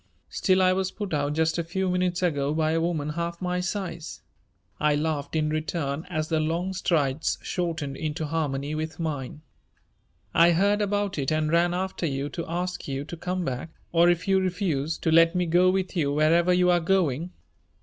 "Still I was put out just a few minutes ago by a woman half my size," I laughed in return as the long strides shortened into harmony with mine. "I heard about it and ran after you to ask you to come back or, if you refused, to let me go with you wherever you are going.